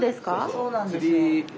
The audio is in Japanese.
そうなんですよ。